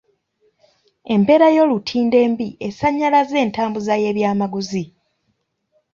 Embeera y'olutindo embi esannyalazza entambuza y'ebyamaguzi.